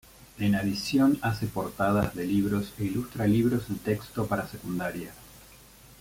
En adición hace portadas de libros e ilustra libros de texto para secundaria.